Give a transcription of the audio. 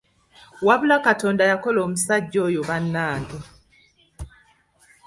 Wabula Katonda yakola omusajja oyo bannange.